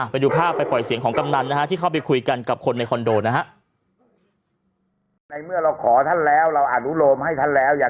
ไปดูภาพไปปล่อยเสียงของกำนันนะฮะที่เข้าไปคุยกันกับคนในคอนโดนะฮะ